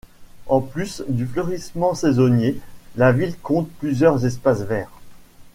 En plus du fleurissement saisonnier, la ville compte plusieurs espaces verts.